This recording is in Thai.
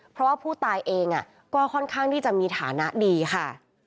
เพราะว่าผู้ตายเองก็ค่อนข้างที่จะมีฐานะดีค่ะ